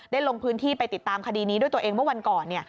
ลงพื้นที่ไปติดตามคดีนี้ด้วยตัวเองเมื่อวันก่อน